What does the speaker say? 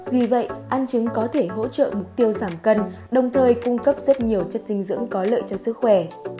vì vậy ăn trứng có thể hỗ trợ mục tiêu giảm cân đồng thời cung cấp rất nhiều chất dinh dưỡng có lợi cho sức khỏe